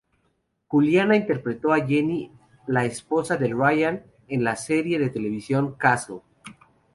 Juliana interpretó a Jenny, la esposa de Ryan en la serie de televisión "Castle".